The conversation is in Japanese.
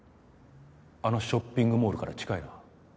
あのショッピングモールから近いな。